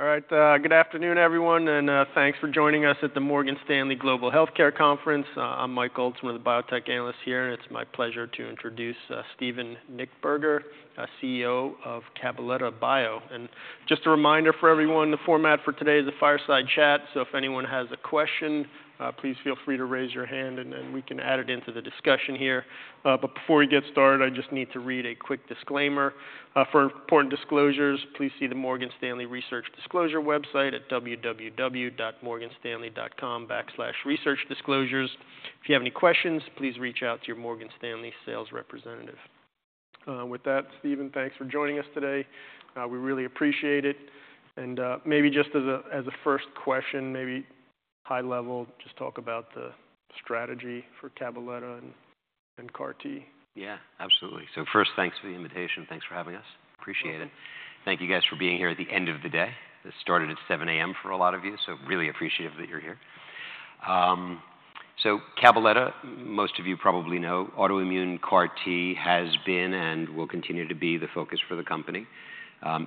All right, good afternoon, everyone, and, thanks for joining us at the Morgan Stanley Global Healthcare Conference. I'm Mike Altman, the biotech analyst here, and it's my pleasure to introduce, Steven Nichtberger, CEO of Cabaletta Bio, and just a reminder for everyone, the format for today is a fireside chat, so if anyone has a question, please feel free to raise your hand, and then we can add it into the discussion here, but before we get started, I just need to read a quick disclaimer. "For important disclosures, please see the Morgan Stanley Research Disclosure website at www.morganstanley.com/researchdisclosures. If you have any questions, please reach out to your Morgan Stanley sales representative." With that, Steven, thanks for joining us today. We really appreciate it. Maybe just as a first question, maybe high level, just talk about the strategy for Cabaletta and CAR-T. Yeah, absolutely. So first, thanks for the invitation. Thanks for having us. Appreciate it. Thank you, guys, for being here at the end of the day. This started at 7:00 A.M. for a lot of you, so really appreciative that you're here. So Cabaletta, most of you probably know, autoimmune CAR-T has been and will continue to be the focus for the company.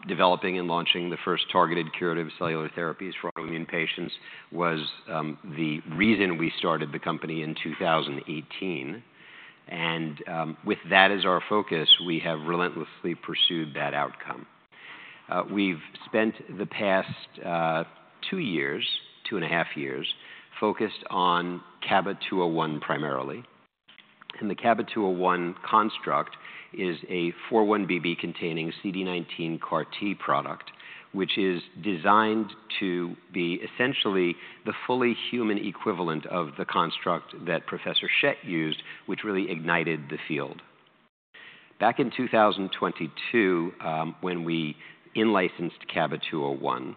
Developing and launching the first targeted curative cellular therapies for autoimmune patients was the reason we started the company in 2018, and with that as our focus, we have relentlessly pursued that outcome. We've spent the past 2-2.5 years, focused on CABA-201 primarily. The CABA-201 construct is a 4-1BB-containing CD19 CAR-T product, which is designed to be essentially the fully human equivalent of the construct that Professor Schett used, which really ignited the field. Back in 2022, when we in-licensed CABA-201,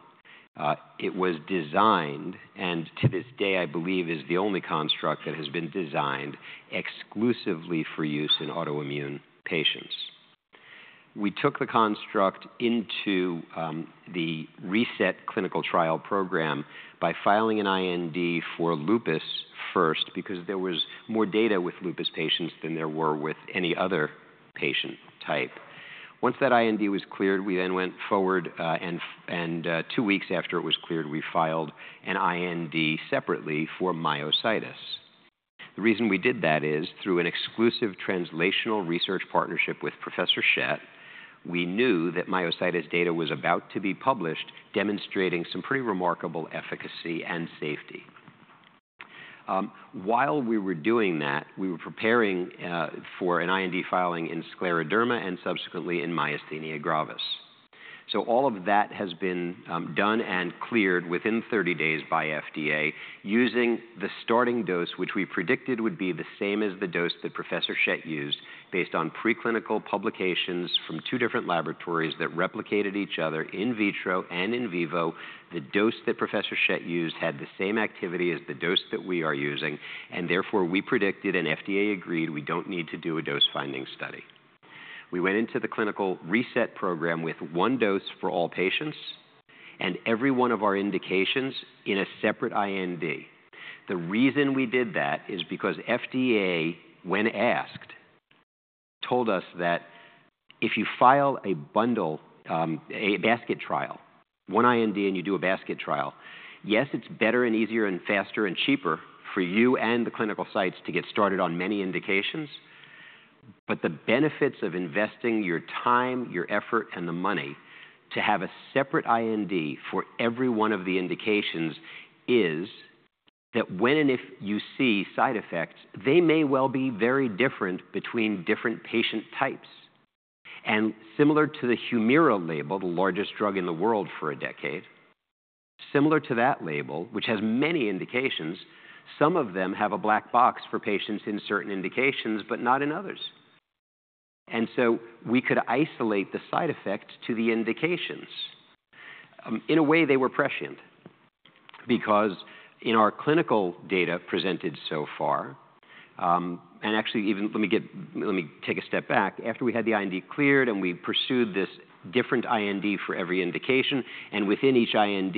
it was designed, and to this day, I believe is the only construct that has been designed exclusively for use in autoimmune patients. We took the construct into the RESET clinical trial program by filing an IND for lupus first, because there was more data with lupus patients than there were with any other patient type. Once that IND was cleared, we then went forward, and two weeks after it was cleared, we filed an IND separately for myositis. The reason we did that is through an exclusive translational research partnership with Professor Schett, we knew that myositis data was about to be published, demonstrating some pretty remarkable efficacy and safety. While we were doing that, we were preparing for an IND filing in scleroderma and subsequently in myasthenia gravis. So all of that has been done and cleared within 30 days by FDA using the starting dose, which we predicted would be the same as the dose that Professor Schett used, based on preclinical publications from two different laboratories that replicated each other in vitro and in vivo. The dose that Professor Schett used had the same activity as the dose that we are using, and therefore, we predicted, and FDA agreed, we don't need to do a dose-finding study. We went into the clinical RESET program with one dose for all patients and every one of our indications in a separate IND. The reason we did that is because FDA, when asked, told us that if you file a bundle, a basket trial, one IND, and you do a basket trial, yes, it's better and easier and faster and cheaper for you and the clinical sites to get started on many indications, but the benefits of investing your time, your effort, and the money to have a separate IND for every one of the indications is that when and if you see side effects, they may well be very different between different patient types. And similar to the Humira label, the largest drug in the world for a decade, similar to that label, which has many indications, some of them have a black box for patients in certain indications, but not in others. And so we could isolate the side effect to the indications. In a way, they were prescient because in our clinical data presented so far. And actually, let me take a step back. After we had the IND cleared and we pursued this different IND for every indication, and within each IND,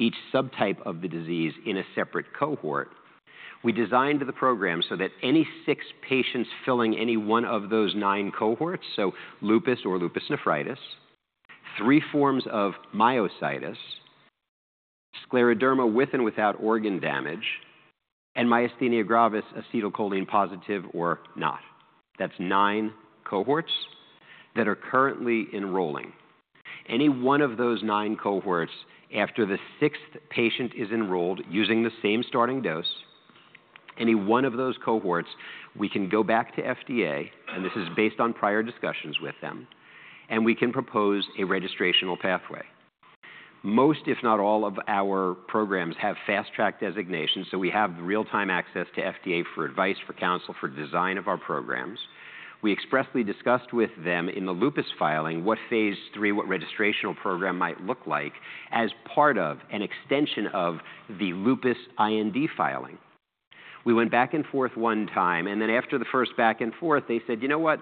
each subtype of the disease in a separate cohort, we designed the program so that any six patients filling any one of those nine cohorts, so lupus or lupus nephritis, three forms of myositis, scleroderma with and without organ damage, and myasthenia gravis, acetylcholine-positive or not. That's nine cohorts that are currently enrolling. Any one of those nine cohorts, after the sixth patient is enrolled using the same starting dose, any one of those cohorts, we can go back to FDA, and this is based on prior discussions with them, and we can propose a registrational pathway. Most, if not all, of our programs have Fast Track designations, so we have real-time access to FDA for advice, for counsel, for design of our programs. We expressly discussed with them in the lupus filing what phase III, what registrational program might look like as part of an extension of the lupus IND filing. We went back and forth one time, and then after the first back and forth, they said, "You know what?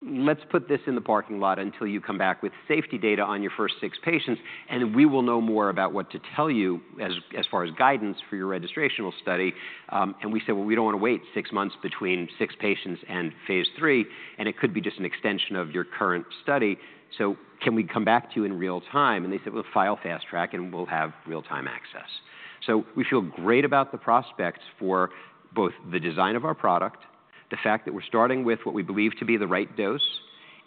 Let's put this in the parking lot until you come back with safety data on your first six patients, and we will know more about what to tell you as, as far as guidance for your registrational study." And we said, "Well, we don't want to wait six months between six patients and phase III, and it could be just an extension of your current study. So can we come back to you in real time?" And they said, "Well, file Fast Track, and we'll have real-time access." So we feel great about the prospects for both the design of our product, the fact that we're starting with what we believe to be the right dose,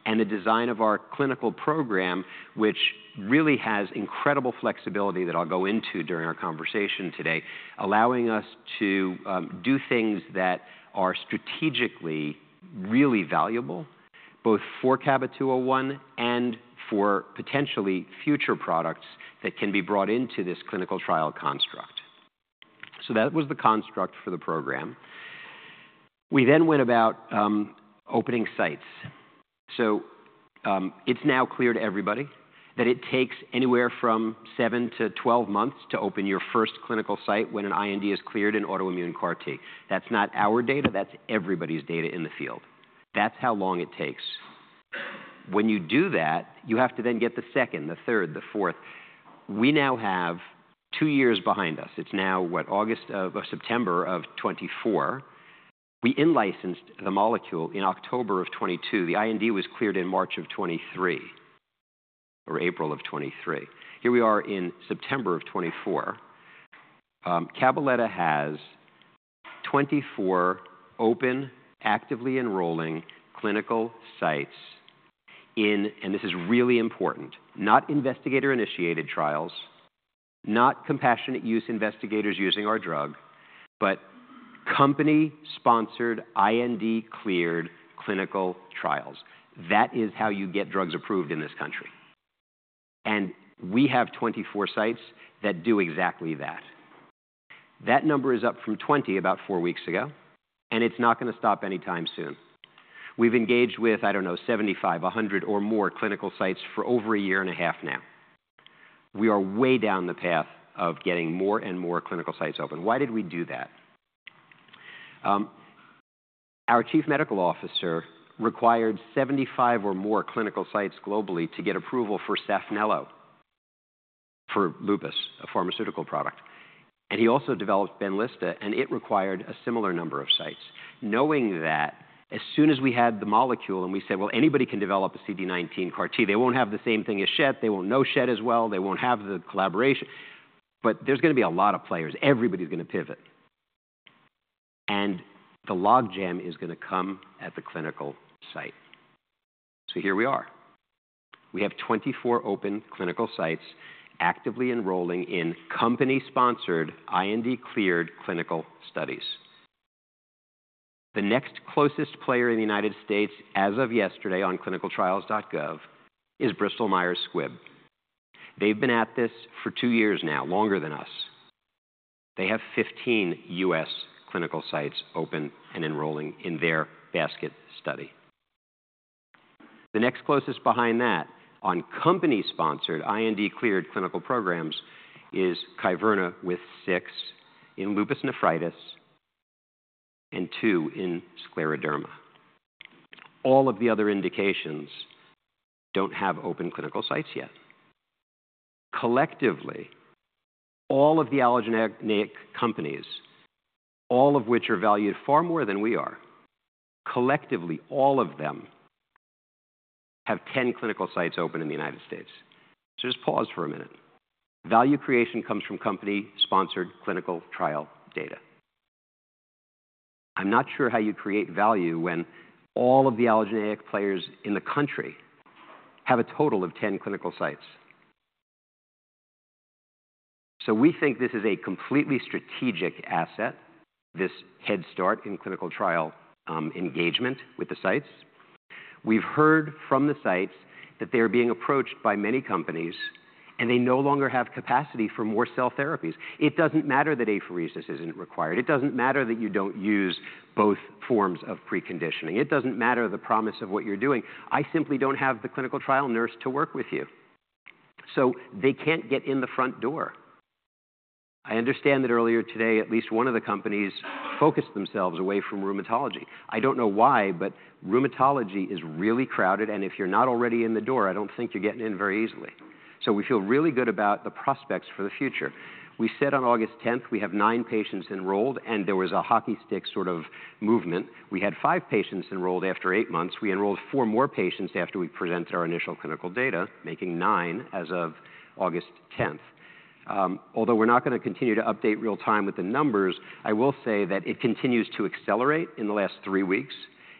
and the design of our clinical program, which really has incredible flexibility that I'll go into during our conversation today, allowing us to do things that are strategically really valuable, both for CABA-201 and for potentially future products that can be brought into this clinical trial construct. So that was the construct for the program. We then went about opening sites. So, it's now clear to everybody that it takes anywhere from 7-12 months to open your first clinical site when an IND is cleared in autoimmune CAR-T. That's not our data, that's everybody's data in the field. That's how long it takes. When you do that, you have to then get the second, the third, the fourth. We now have two years behind us. It's now, what, August or September of 2024. We in-licensed the molecule in October of 2022. The IND was cleared in March of 2023 or April of 2023. Here we are in September of 2024. Cabaletta has 24 open, actively enrolling clinical sites in, and this is really important, not investigator-initiated trials, not compassionate use investigators using our drug, but company-sponsored, IND-cleared clinical trials. That is how you get drugs approved in this country, and we have 24 sites that do exactly that. That number is up from 20 about four weeks ago, and it's not going to stop anytime soon. We've engaged with, I don't know, 75, 100, or more clinical sites for over a year and a half now. We are way down the path of getting more and more clinical sites open. Why did we do that? Our Chief Medical Officer required 75 or more clinical sites globally to get approval for Saphnelo for lupus, a pharmaceutical product, and he also developed Benlysta, and it required a similar number of sites. Knowing that, as soon as we had the molecule and we said, "Well, anybody can develop a CD19 CAR-T. They won't have the same thing as Schett. They won't know Schett as well. They won't have the collaboration, but there's going to be a lot of players. Everybody's going to pivot, and the logjam is going to come at the clinical site, so here we are." We have 24 open clinical sites actively enrolling in company-sponsored, IND-cleared clinical studies. The next closest player in the United States, as of yesterday on ClinicalTrials.gov, is Bristol Myers Squibb. They've been at this for two years now, longer than us. They have 15 U.S. clinical sites open and enrolling in their basket study. The next closest behind that on company-sponsored, IND-cleared clinical programs is Kyverna, with 6 in lupus nephritis and 2 in scleroderma. All of the other indications don't have open clinical sites yet. Collectively, all of the allogeneic companies, all of which are valued far more than we are, collectively, all of them have 10 clinical sites open in the United States. Just pause for a minute. Value creation comes from company-sponsored clinical trial data. I'm not sure how you create value when all of the allogeneic players in the country have a total of 10 clinical sites. So we think this is a completely strategic asset, this head start in clinical trial engagement with the sites. We've heard from the sites that they are being approached by many companies, and they no longer have capacity for more cell therapies. It doesn't matter that apheresis isn't required. It doesn't matter that you don't use both forms of preconditioning. It doesn't matter the promise of what you're doing. I simply don't have the clinical trial nurse to work with you. So they can't get in the front door. I understand that earlier today, at least one of the companies focused themselves away from rheumatology. I don't know why, but rheumatology is really crowded, and if you're not already in the door, I don't think you're getting in very easily. So we feel really good about the prospects for the future. We said on August 10th, we have nine patients enrolled, and there was a hockey stick sort of movement. We had five patients enrolled after eight months. We enrolled four more patients after we presented our initial clinical data, making nine as of August 10th. Although we're not going to continue to update real time with the numbers, I will say that it continues to accelerate in the last three weeks,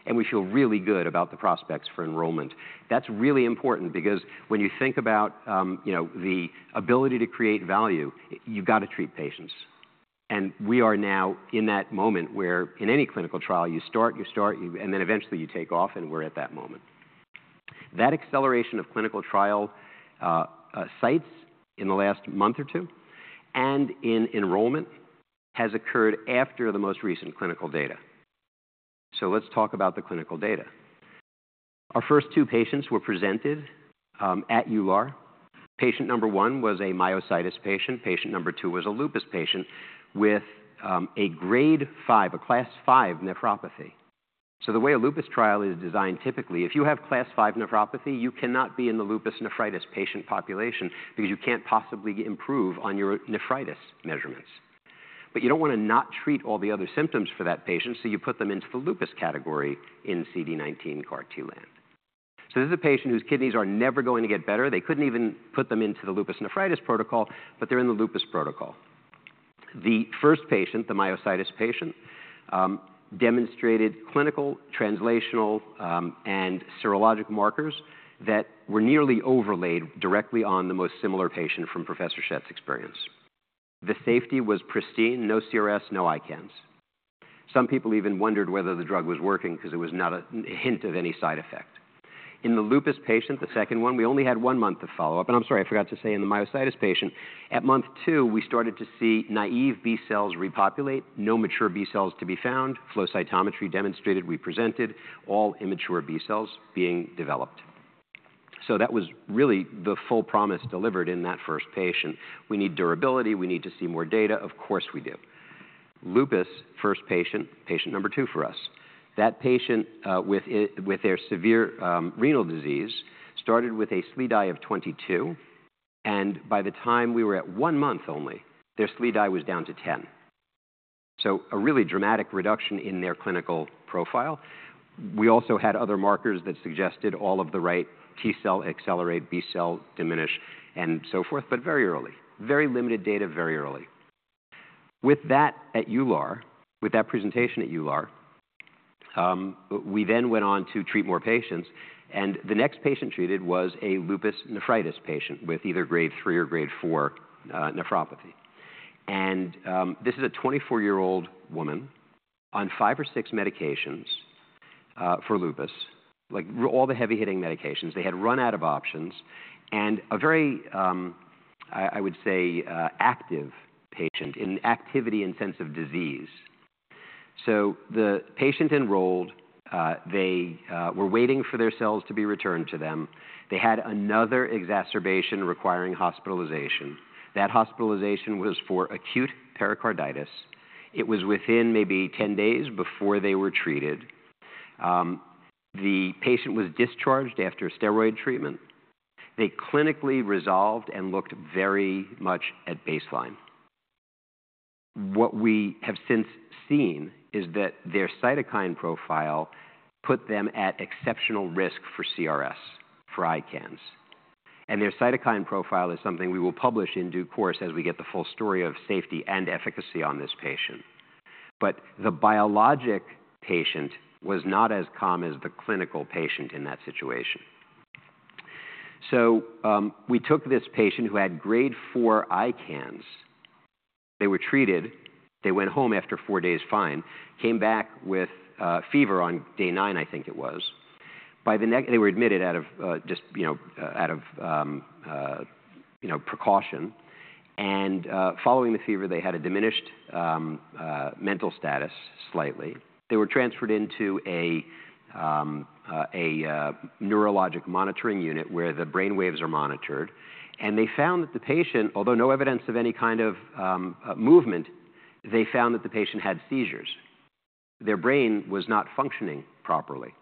and we feel really good about the prospects for enrollment. That's really important because when you think about, you know, the ability to create value, you've got to treat patients. And we are now in that moment where in any clinical trial, you start, and then eventually you take off, and we're at that moment. That acceleration of clinical trial sites in the last month or two and in enrollment has occurred after the most recent clinical data. So let's talk about the clinical data. Our first two patients were presented at EULAR. Patient number one was a myositis patient. Patient number two was a lupus patient with a Grade 5, a Class V nephropathy. So the way a lupus trial is designed, typically, if you have Class V nephropathy, you cannot be in the lupus nephritis patient population because you can't possibly improve on your nephritis measurements. But you don't want to not treat all the other symptoms for that patient, so you put them into the lupus category in CD19 CAR-T land. So this is a patient whose kidneys are never going to get better. They couldn't even put them into the lupus nephritis protocol, but they're in the lupus protocol. The first patient, the myositis patient, demonstrated clinical, translational, and serologic markers that were nearly overlaid directly on the most similar patient from Professor Schett's experience. The safety was pristine, no CRS, no ICANS. Some people even wondered whether the drug was working because there was not a hint of any side effect. In the lupus patient, the second one, we only had one month of follow-up. I'm sorry, I forgot to say in the myositis patient, at month two, we started to see naive B cells repopulate, no mature B cells to be found, flow cytometry demonstrated, we presented all immature B cells being developed. That was really the full promise delivered in that first patient. We need durability. We need to see more data. Of course, we do. Lupus, first patient, patient number two for us. That patient with their severe renal disease started with a SLEDAI of 22, and by the time we were at one month only, their SLEDAI was down to 10. A really dramatic reduction in their clinical profile. We also had other markers that suggested all of the right T-cell accelerate, B-cell diminish, and so forth, but very early. Very limited data, very early. With that at EULAR, with that presentation at EULAR, we then went on to treat more patients, and the next patient treated was a lupus nephritis patient with either Grade 3 or Grade 4 nephropathy. And, this is a 24-year-old woman on 5-6 medications for lupus, like, all the heavy-hitting medications. They had run out of options and a very, I would say, active patient in activity in sense of disease. So the patient enrolled, they were waiting for their cells to be returned to them. They had another exacerbation requiring hospitalization. That hospitalization was for acute pericarditis. It was within maybe 10 days before they were treated. The patient was discharged after steroid treatment. They clinically resolved and looked very much at baseline. What we have since seen is that their cytokine profile put them at exceptional risk for CRS, for ICANS, and their cytokine profile is something we will publish in due course as we get the full story of safety and efficacy on this patient. But the biologic patient was not as calm as the clinical patient in that situation. So, we took this patient who had Grade 4 ICANS. They were treated, they went home after four days fine, came back with fever on day nine, I think it was. By the next, they were admitted out of just, you know, precaution. And following the fever, they had a diminished mental status slightly. They were transferred into a neurologic monitoring unit where the brainwaves are monitored, and they found that the patient, although no evidence of any kind of movement, they found that the patient had seizures. Their brain was not functioning properly.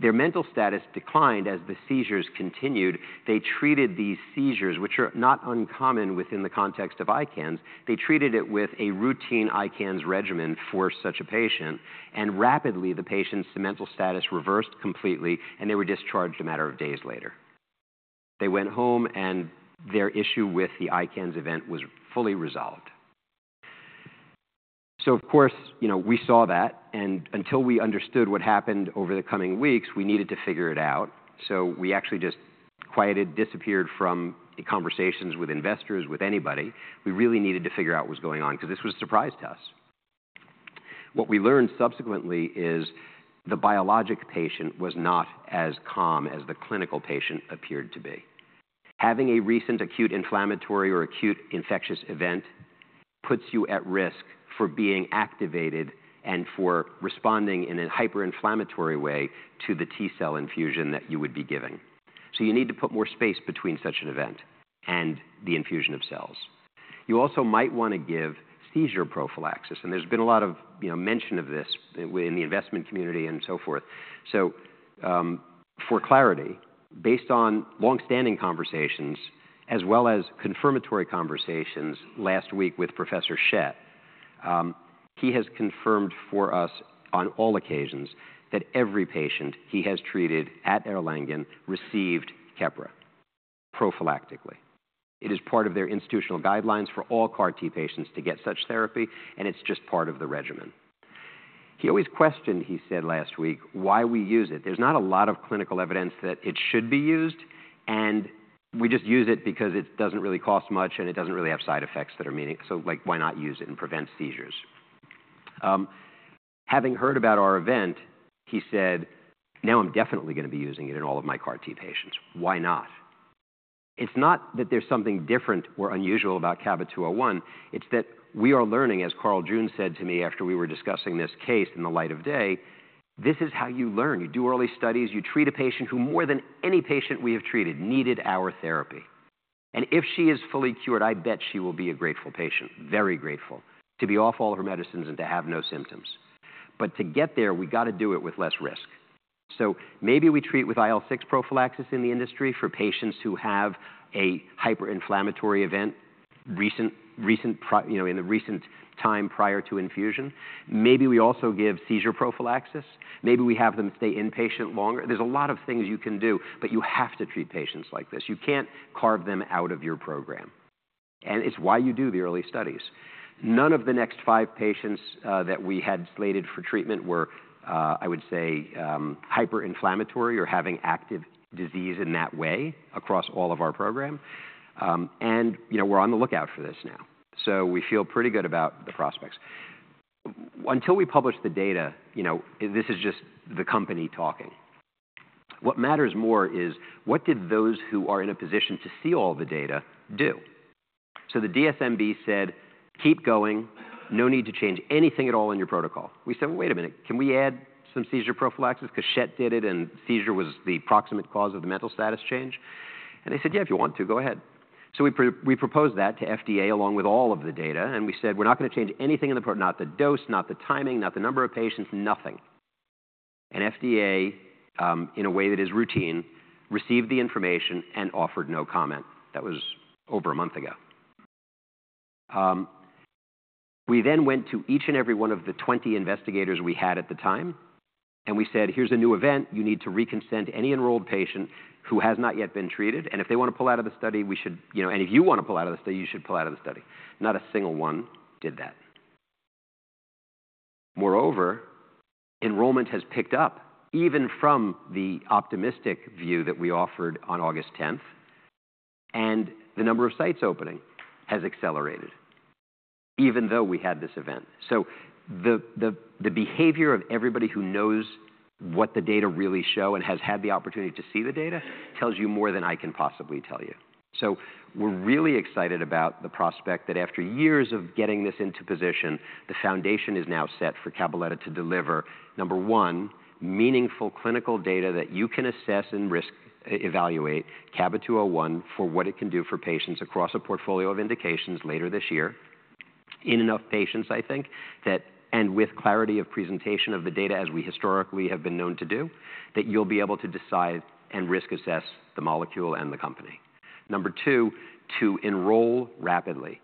Their mental status declined as the seizures continued. They treated these seizures, which are not uncommon within the context of ICANS. They treated it with a routine ICANS regimen for such a patient, and rapidly, the patient's mental status reversed completely, and they were discharged a matter of days later. They went home, and their issue with the ICANS event was fully resolved, so of course, you know, we saw that, and until we understood what happened over the coming weeks, we needed to figure it out, so we actually just quieted, disappeared from the conversations with investors, with anybody. We really needed to figure out what was going on because this was a surprise to us. What we learned subsequently is the biologic patient was not as calm as the clinical patient appeared to be. Having a recent acute inflammatory or acute infectious event puts you at risk for being activated and for responding in a hyperinflammatory way to the T cell infusion that you would be giving. So you need to put more space between such an event and the infusion of cells. You also might want to give seizure prophylaxis, and there's been a lot of, you know, mention of this in the investment community and so forth. So, for clarity, based on long-standing conversations, as well as confirmatory conversations last week with Professor Schett, he has confirmed for us on all occasions that every patient he has treated at Erlangen received Keppra prophylactically. It is part of their institutional guidelines for all CAR-T patients to get such therapy, and it's just part of the regimen. He always questioned, he said last week, "Why we use it? There's not a lot of clinical evidence that it should be used, and we just use it because it doesn't really cost much, and it doesn't really have side effects that are meaningful. So, like, why not use it and prevent seizures?" Having heard about our event, he said, "Now, I'm definitely going to be using it in all of my CAR-T patients. Why not?" It's not that there's something different or unusual about CABA-201, it's that we are learning, as Carl June said to me after we were discussing this case in the light of day, this is how you learn. You do early studies. You treat a patient who, more than any patient we have treated, needed our therapy. And if she is fully cured, I bet she will be a grateful patient, very grateful, to be off all of her medicines and to have no symptoms. But to get there, we got to do it with less risk. So maybe we treat with IL-6 prophylaxis in the industry for patients who have a hyperinflammatory event, recent, you know, in the recent time prior to infusion. Maybe we also give seizure prophylaxis. Maybe we have them stay inpatient longer. There's a lot of things you can do, but you have to treat patients like this. You can't carve them out of your program, and it's why you do the early studies. None of the next five patients that we had slated for treatment were, I would say, hyperinflammatory or having active disease in that way across all of our program, and, you know, we're on the lookout for this now, so we feel pretty good about the prospects. Until we publish the data, you know, this is just the company talking. What matters more is, what did those who are in a position to see all the data do, so the DSMB said, "Keep going. No need to change anything at all in your protocol." We said, "Well, wait a minute, can we add some seizure prophylaxis? Because Schett did it, and seizure was the proximate cause of the mental status change." And they said, "Yeah, if you want to, go ahead." So we proposed that to FDA along with all of the data, and we said, "We're not going to change anything in the not the dose, not the timing, not the number of patients, nothing." And FDA, in a way that is routine, received the information and offered no comment. That was over a month ago. We then went to each and every one of the 20 investigators we had at the time, and we said, "Here's a new event. You need to reconsent any enrolled patient who has not yet been treated, and if they want to pull out of the study, we should. You know, and if you want to pull out of the study, you should pull out of the study." Not a single one did that. Moreover, enrollment has picked up even from the optimistic view that we offered on August 10th, and the number of sites opening has accelerated, even though we had this event. So the behavior of everybody who knows what the data really show and has had the opportunity to see the data tells you more than I can possibly tell you. So we're really excited about the prospect that after years of getting this into position, the foundation is now set for Cabaletta to deliver, number one, meaningful clinical data that you can assess and risk, evaluate CABA-201 for what it can do for patients across a portfolio of indications later this year. In enough patients, I think, that and with clarity of presentation of the data as we historically have been known to do, that you'll be able to decide and risk assess the molecule and the company. Number two, to enroll rapidly.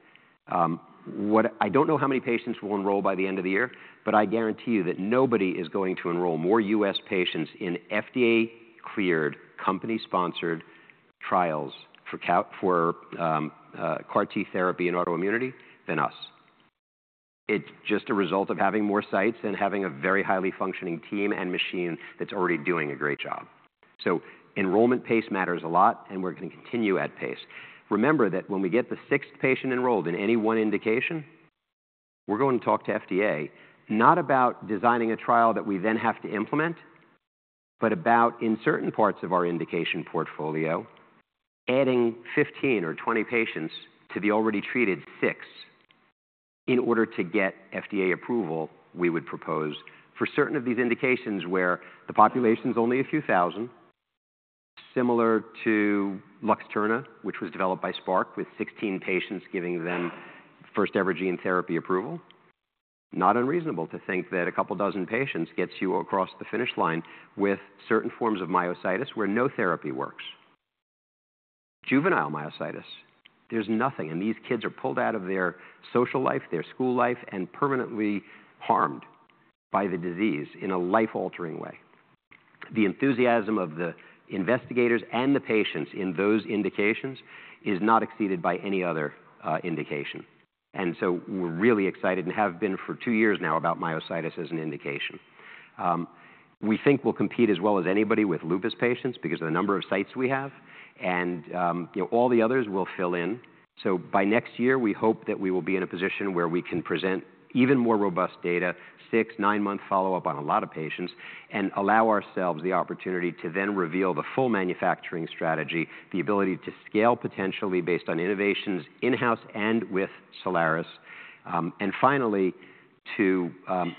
I don't know how many patients we'll enroll by the end of the year, but I guarantee you that nobody is going to enroll more U.S. patients in FDA-cleared, company-sponsored trials for CAR-T therapy and autoimmunity than us. It's just a result of having more sites and having a very highly functioning team and machine that's already doing a great job, so enrollment pace matters a lot, and we're going to continue at pace. Remember that when we get the sixth patient enrolled in any one indication, we're going to talk to FDA, not about designing a trial that we then have to implement, but about in certain parts of our indication portfolio, adding 15 or 20 patients to the already treated six in order to get FDA approval, we would propose, for certain of these indications where the population's only a few thousand, similar to Luxturna, which was developed by Spark, with 16 patients giving them first-ever gene therapy approval. Not unreasonable to think that a couple dozen patients gets you across the finish line with certain forms of myositis where no therapy works. Juvenile myositis, there's nothing, and these kids are pulled out of their social life, their school life, and permanently harmed by the disease in a life-altering way. The enthusiasm of the investigators and the patients in those indications is not exceeded by any other indication. And so we're really excited and have been for two years now about myositis as an indication. We think we'll compete as well as anybody with lupus patients because of the number of sites we have, and you know, all the others will fill in. So by next year, we hope that we will be in a position where we can present even more robust data, six- and nine-month follow-up on a lot of patients, and allow ourselves the opportunity to then reveal the full manufacturing strategy, the ability to scale potentially based on innovations in-house and with Cellares. And finally, to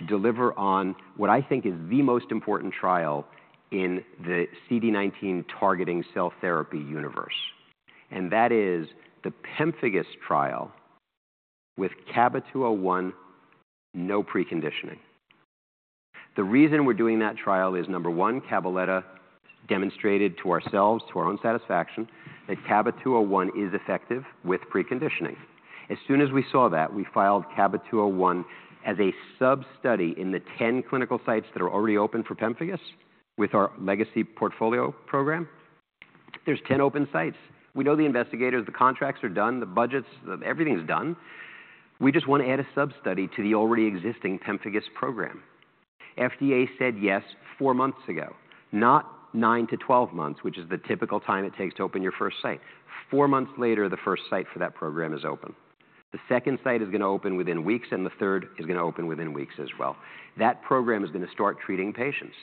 deliver on what I think is the most important trial in the CD19 targeting cell therapy universe. That is the pemphigus trial with CABA-201, no preconditioning. The reason we're doing that trial is, number one, Cabaletta demonstrated to ourselves, to our own satisfaction, that CABA-201 is effective with preconditioning. As soon as we saw that, we filed CABA-201 as a sub-study in the 10 clinical sites that are already open for pemphigus with our legacy portfolio program. There's 10 open sites. We know the investigators, the contracts are done, the budgets, everything is done. We just want to add a sub-study to the already existing pemphigus program. FDA said yes four months ago, not 9-12 months, which is the typical time it takes to open your first site. Four months later, the first site for that program is open. The second site is going to open within weeks, and the third is going to open within weeks as well. That program is going to start treating patients.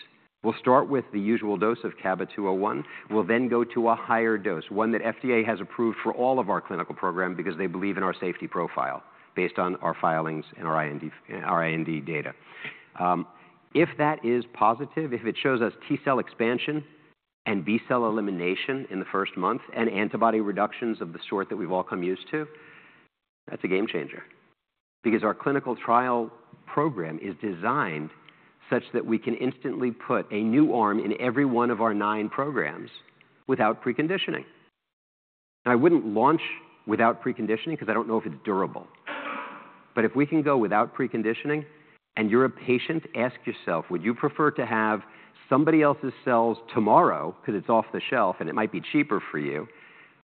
We'll start with the usual dose of CABA-201. We'll then go to a higher dose, one that FDA has approved for all of our clinical program because they believe in our safety profile based on our filings and our IND, our IND data. If that is positive, if it shows us T-cell expansion and B-cell elimination in the first month, and antibody reductions of the sort that we've all come used to, that's a game changer, because our clinical trial program is designed such that we can instantly put a new arm in every one of our nine programs without preconditioning. I wouldn't launch without preconditioning because I don't know if it's durable. But if we can go without preconditioning and you're a patient, ask yourself, would you prefer to have somebody else's cells tomorrow, 'cause it's off the shelf, and it might be cheaper for you,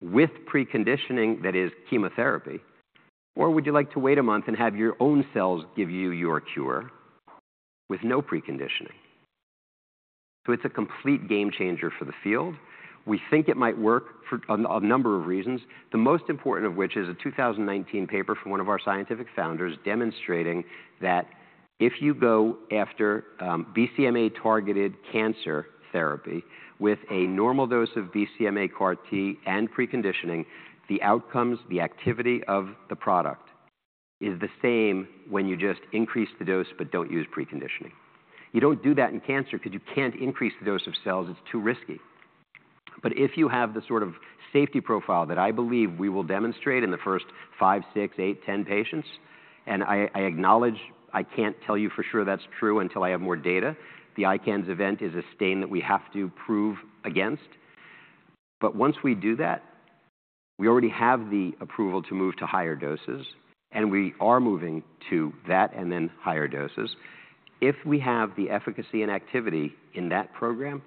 with preconditioning, that is chemotherapy, or would you like to wait a month and have your own cells give you your cure with no preconditioning? So it's a complete game changer for the field. We think it might work for a number of reasons. The most important of which is a 2019 paper from one of our scientific founders, demonstrating that if you go after, BCMA-targeted cancer therapy with a normal dose of BCMA CAR-T and preconditioning, the outcomes, the activity of the product is the same when you just increase the dose, but don't use preconditioning. You don't do that in cancer because you can't increase the dose of cells. It's too risky. But if you have the sort of safety profile that I believe we will demonstrate in the first 5-10 patients, and I, I acknowledge, I can't tell you for sure that's true until I have more data. The ICANS event is a stain that we have to prove against. But once we do that, we already have the approval to move to higher doses, and we are moving to that and then higher doses. If we have the efficacy and activity in that program,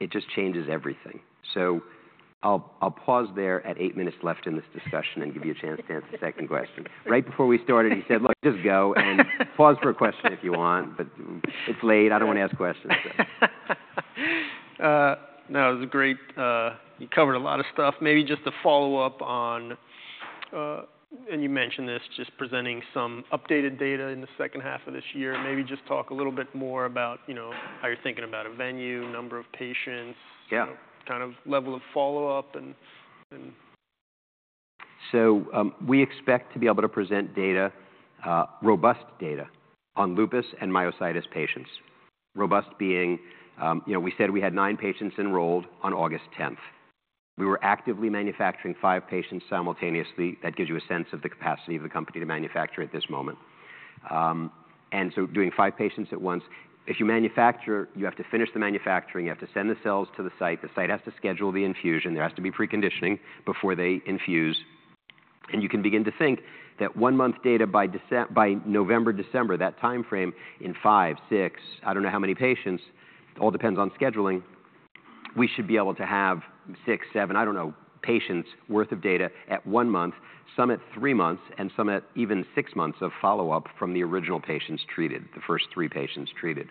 it just changes everything. So I'll, I'll pause there at eight minutes left in this discussion and give you a chance to answer the second question. Right before we started, he said, "Look, just go and pause for a question if you want, but it's late. I don't want to ask questions. No, it was great. You covered a lot of stuff. Maybe just to follow up on, and you mentioned this, just presenting some updated data in the second half of this year. Maybe just talk a little bit more about, you know, how you're thinking about a venue, number of patients- Yeah? Kind of level of follow-up. So, we expect to be able to present data, robust data on lupus and myositis patients. Robust being, you know, we said we had nine patients enrolled on August 10th. We were actively manufacturing five patients simultaneously. That gives you a sense of the capacity of the company to manufacture at this moment. And so doing five patients at once, if you manufacture, you have to finish the manufacturing, you have to send the cells to the site, the site has to schedule the infusion, there has to be preconditioning before they infuse. And you can begin to think that one-month data by November, December, that timeframe in five, six, I don't know how many patients, it all depends on scheduling. We should be able to have six, seven, I don't know, patients worth of data at one month, some at three months, and some at even six months of follow-up from the original patients treated, the first three patients treated.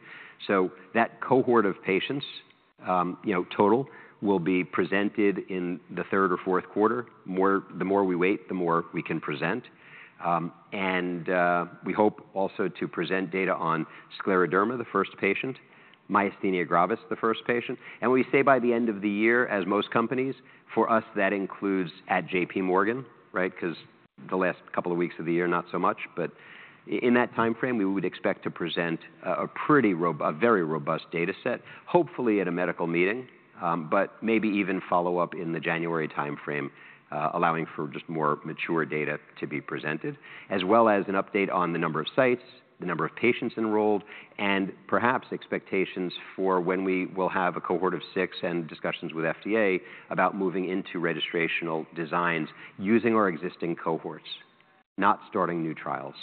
So that cohort of patients, you know, total, will be presented in the third or fourth quarter. The more we wait, the more we can present. We hope also to present data on scleroderma, the first patient, myasthenia gravis, the first patient, and we say by the end of the year, as most companies, for us, that includes at JP Morgan, right? Because the last couple of weeks of the year, not so much, but in that timeframe, we would expect to present a pretty a very robust data set, hopefully at a medical meeting, but maybe even follow up in the January timeframe, allowing for just more mature data to be presented, as well as an update on the number of sites, the number of patients enrolled, and perhaps expectations for when we will have a cohort of six and discussions with FDA about moving into registrational designs using our existing cohorts, not starting new trials.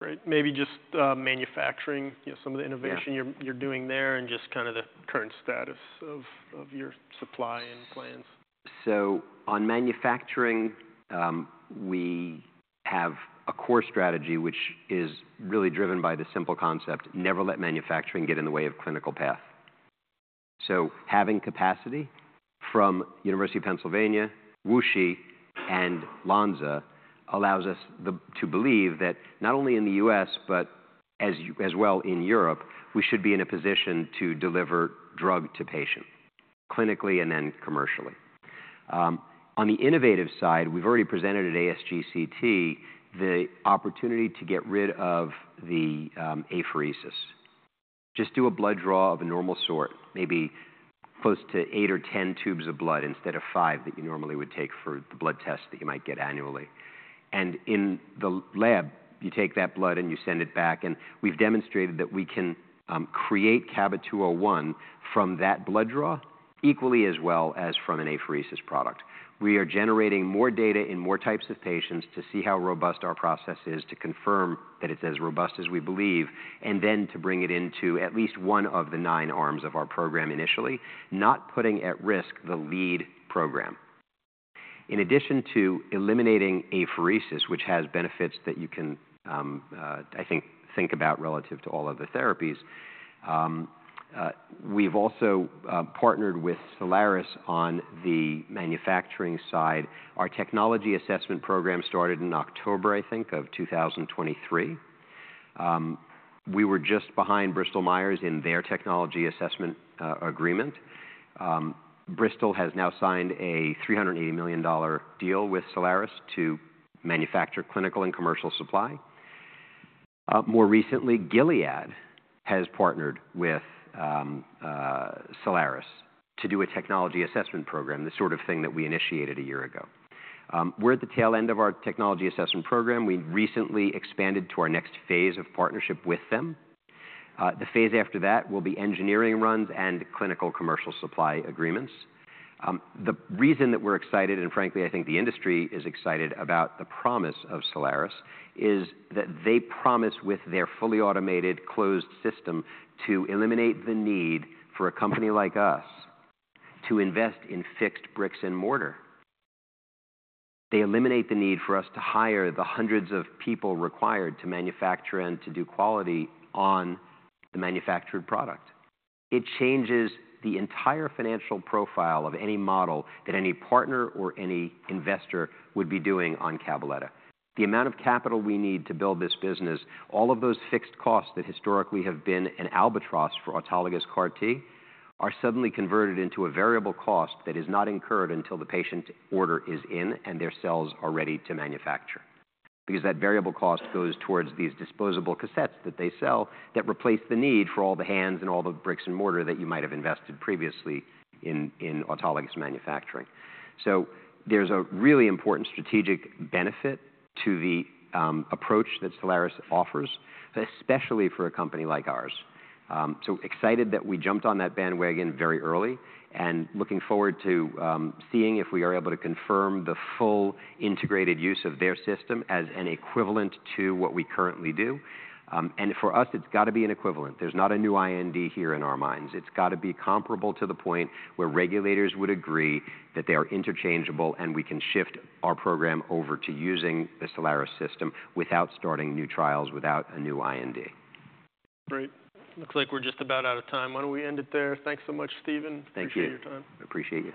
Great. Maybe just, manufacturing, you know, some of the innovation- Yeah? Yyou're doing there and just kind of the current status of your supply and plans. So on manufacturing, we have a core strategy, which is really driven by the simple concept, never let manufacturing get in the way of clinical path. Having capacity from University of Pennsylvania, WuXi, and Lonza allows us to believe that not only in the U.S., but as well in Europe, we should be in a position to deliver drug to patient, clinically and then commercially. On the innovative side, we've already presented at ASGCT the opportunity to get rid of the apheresis. Just do a blood draw of a normal sort, maybe close to 8-10 tubes of blood instead of 5 that you normally would take for the blood test that you might get annually. And in the lab, you take that blood and you send it back, and we've demonstrated that we can create CABA-201 from that blood draw equally as well as from an apheresis product. We are generating more data in more types of patients to see how robust our process is, to confirm that it's as robust as we believe, and then to bring it into at least one of the nine arms of our program initially, not putting at risk the lead program. In addition to eliminating apheresis, which has benefits that you can, I think, think about relative to all other therapies, we've also partnered with Cellares on the manufacturing side. Our technology assessment program started in October, I think, of 2023. We were just behind Bristol Myers Squibb in their technology assessment agreement. Bristol has now signed a $380 million deal with Cellares to manufacture clinical and commercial supply. More recently, Gilead has partnered with Cellares to do a technology assessment program, the sort of thing that we initiated a year ago. We're at the tail end of our technology assessment program. We recently expanded to our next phase of partnership with them. The phase after that will be engineering runs and clinical commercial supply agreements. The reason that we're excited, and frankly, I think the industry is excited about the promise of Cellares, is that they promise, with their fully automated closed system, to eliminate the need for a company like us to invest in fixed bricks and mortar. They eliminate the need for us to hire the hundreds of people required to manufacture and to do quality on the manufactured product. It changes the entire financial profile of any model that any partner or any investor would be doing on Cabaletta. The amount of capital we need to build this business, all of those fixed costs that historically have been an albatross for autologous CAR-T, are suddenly converted into a variable cost that is not incurred until the patient order is in and their cells are ready to manufacture. Because that variable cost goes towards these disposable cassettes that they sell, that replace the need for all the hands and all the bricks and mortar that you might have invested previously in, in autologous manufacturing. So there's a really important strategic benefit to the approach that Cellares offers, especially for a company like ours. So excited that we jumped on that bandwagon very early and looking forward to seeing if we are able to confirm the full integrated use of their system as an equivalent to what we currently do. And for us, it's got to be an equivalent. There's not a new IND here in our minds. It's got to be comparable to the point where regulators would agree that they are interchangeable, and we can shift our program over to using the Cellares system without starting new trials, without a new IND. Great. Looks like we're just about out of time. Why don't we end it there? Thanks so much, Steven. Thank you. Appreciate your time. Appreciate you.